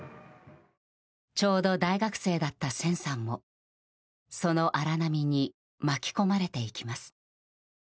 ちょうど大学生だった千さんもその荒波に巻き込まれていきます。